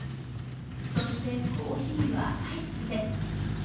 そして、コーヒーはアイスで。